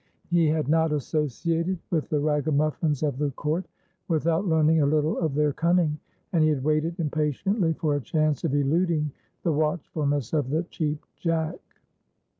He had not associated with the ragamuffins of the court without learning a little of their cunning; and he had waited impatiently for a chance of eluding the watchfulness of the Cheap Jack.